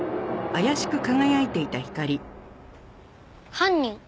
犯人。